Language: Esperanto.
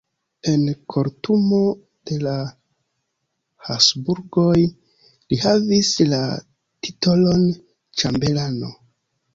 En kortumo de la Habsburgoj li havis la titolon ĉambelano.